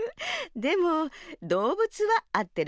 でもどうぶつはあってるかもね。